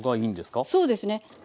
そうですね。